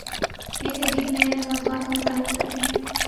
یہ 'تحریک‘ نئے نئے مو ضوعات کا مطالبہ کر تی ہے۔